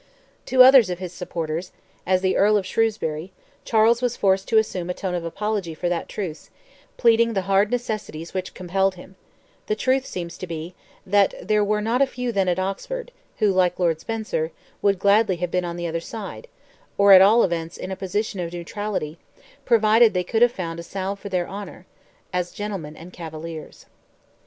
To others of his supporters—as the Earl of Shrewsbury—Charles was forced to assume a tone of apology for that truce, pleading the hard necessities which compelled him: the truth seems to be, that there were not a few then at Oxford, who, like Lord Spencer, would gladly have been on the other side—or at all events in a position of neutrality—provided they could have found "a salve for their honour," as gentlemen and cavaliers.